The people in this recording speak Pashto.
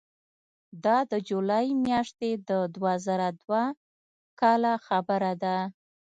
دا د جولای میاشتې د دوه زره دوه کاله خبره ده.